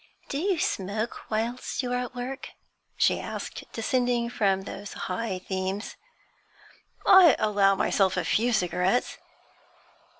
'Do you smoke whilst you are at work?' she asked, descending from those high themes. 'I allow myself a few cigarettes.'